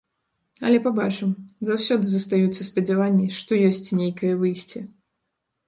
Але пабачым, заўсёды застаюцца спадзяванні, што ёсць нейкае выйсце.